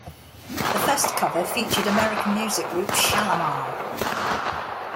The first cover featured American music group Shalamar.